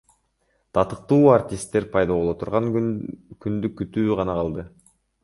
Татыктуу артисттер пайда боло турган күндү күтүү гана калды.